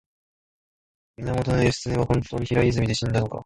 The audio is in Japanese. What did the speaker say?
源義経は本当に平泉で死んだのか